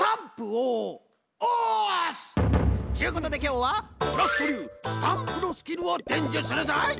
ちゅうことできょうはクラフトりゅうスタンプのスキルをでんじゅするぞい！